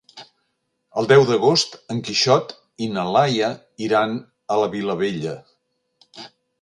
El deu d'agost en Quixot i na Laia iran a la Vilavella.